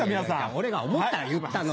俺が思ったから言ったの。